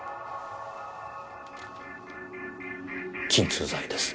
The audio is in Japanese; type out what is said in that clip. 鎮痛剤です。